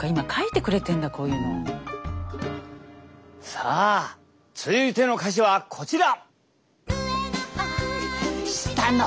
さあ続いての歌詞はこちら。